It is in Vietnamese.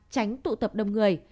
tránh tụ tập đông người